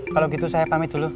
kalau gitu saya pamit dulu